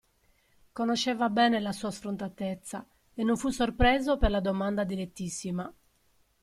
Conosceva bene la sua sfrontatezza, e non fu sorpreso per la domanda direttissima.